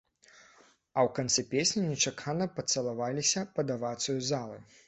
А ў канцы песні нечакана пацалаваліся пад авацыю залы.